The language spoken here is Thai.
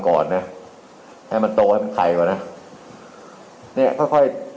เข้ามาแยกกันแบบนี้